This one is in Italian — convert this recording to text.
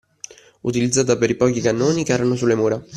Utilizzata per i pochi cannoni che erano sulle mura